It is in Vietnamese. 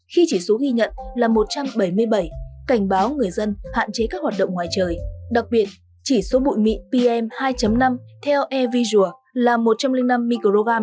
khi chỉ số ghi nhận là một trăm bảy mươi bảy cảnh báo người dân hạn chế các hoạt động ngoài trời đặc biệt chỉ số bụi mịn pm hai năm theo airvisual là một trăm linh năm microgram